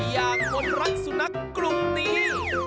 อย่างคนรักสุนัขกลุ่มนี้